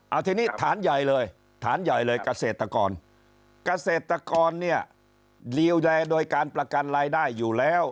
เอาทีนี้ฐานใหญ่เลยฐานใหญ่เลยเกษตรกรเกษตรกรเนี่ยลีวแลโดยการประกันรายได้อยู่แล้ว